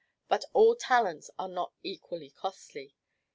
But all talents are not equally costly.